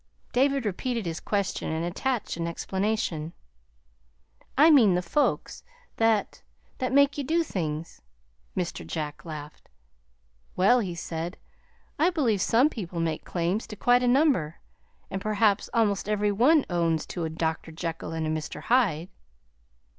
David repeated his question and attached an explanation. "I mean, the folks that that make you do things." Mr. Jack laughed. "Well," he said, "I believe some people make claims to quite a number, and perhaps almost every one owns to a Dr. Jekyll and a Mr. Hyde."